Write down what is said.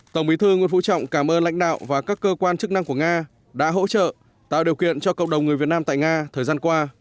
tổng bí thư nguyễn phú trọng cảm ơn lãnh đạo và các cơ quan chức năng của nga đã hỗ trợ tạo điều kiện cho cộng đồng người việt nam tại nga thời gian qua